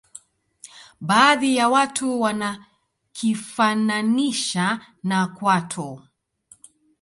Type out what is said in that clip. baadhi ya watu wanakifananisha na kwato